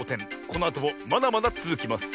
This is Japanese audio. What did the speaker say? このあともまだまだつづきます。